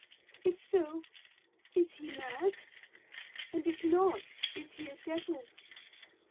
If so, is he mad? And if not, is he a devil?